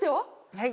はい。